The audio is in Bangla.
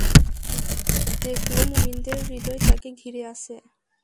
দেখল, মুমিনদের হৃদয় তাকে ঘিরে আছে।